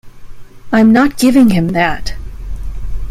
I'm not giving him that.